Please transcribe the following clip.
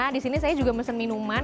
di sini saya juga mesen minuman